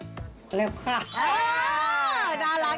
ร้องเลยกว่าขอสักท่อนึงพี่หาย